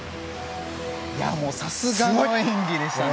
さすがの演技でしたね。